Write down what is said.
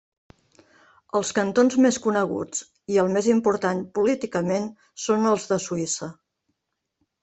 Els cantons més coneguts, i el més important políticament, són els de Suïssa.